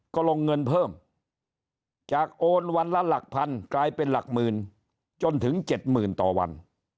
ก็ลงเงินเพิ่มจากโอนวันละหลักพันกลายเป็นหลักหมื่นจนถึง๗๐๐ต่อวัน